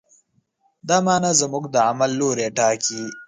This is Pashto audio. دا معنی زموږ د عمل لوری ټاکي.